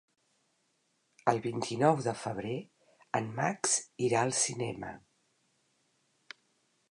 El vint-i-nou de febrer en Max irà al cinema.